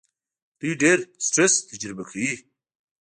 دوی ډېر سټرس تجربه کوي.